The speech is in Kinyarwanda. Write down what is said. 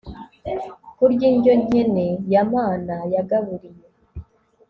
kurya indyo nkene Ya Mana yagaburiye